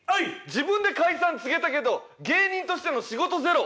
「自分で解散告げたけど芸人としての仕事ゼロ」